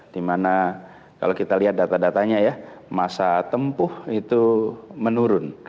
dimana kalau kita lihat data datanya ya masa tempuh itu menurun